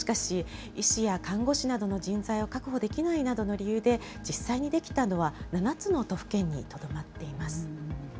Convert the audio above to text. しかし、医師や看護師などの人材を確保できないなどの理由で、実際にできたのは７つの都府県にとどまっています。